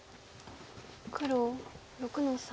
黒６の三。